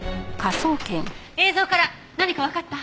映像から何かわかった？